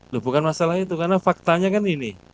loh bukan masalah itu karena faktanya kan ini